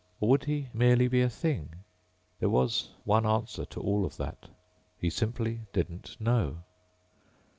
Or would he merely be a thing? There was one answer to all of that. He simply didn't know.